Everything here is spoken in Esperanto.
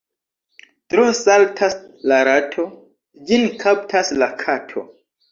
Tro saltas la rato — ĝin kaptas la kato.